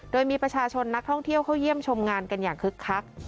โดยมีประชาชนนักท่องเที่ยวเข้าเยี่ยมชมงานกันอย่างคึกคัก